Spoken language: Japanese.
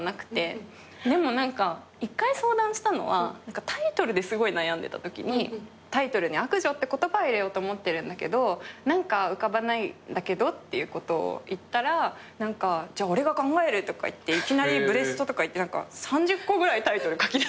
でも何か一回相談したのはタイトルですごい悩んでたときにタイトルに「悪女」って言葉は入れようと思ってるんだけど何か浮かばないんだけどっていうことを言ったら「じゃあ俺が考える」とか言っていきなりブレストとかいって３０個ぐらいタイトル書き出してくれて。